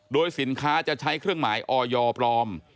โดยสินค้าจะใช้เครื่องหมายออยปลอม